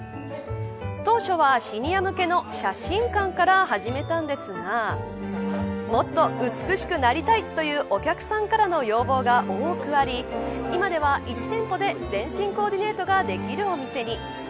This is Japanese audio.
当初は、シニア向けの写真館から始めたんですがもっと美しくなりたいというお客さんからの要望が多くあり今では１店舗で全身コーディネートができるお店に。